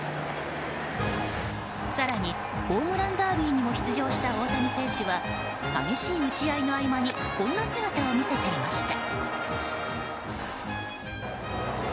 更に、ホームランダービーにも出場した大谷選手は激しい打ち合いの合間にこんな姿を見せていました。